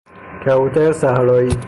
کبوتر صحرائی